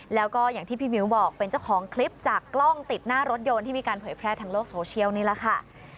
แล้วก็อย่างที่พี่มิ้วบอกเป็นเจ้าของคลิปจากกล้องติดหน้ารถยนต์ที่มีการเผยแพร่ทางโลกโซเชียลนี่แหละค่ะ